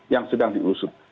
yang sedang diusut